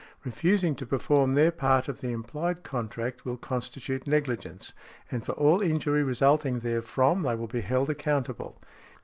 Refusing to perform their part of the implied contract will constitute negligence, and for all injury resulting therefrom they will be held accountable.